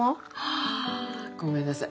あごめんなさい。